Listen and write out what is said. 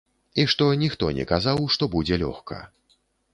І што ніхто не казаў, што будзе лёгка.